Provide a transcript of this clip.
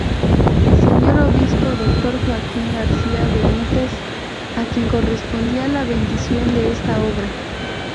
Señor Obispo doctor Joaquín García Benítez, a quien correspondía la bendición de esta obra.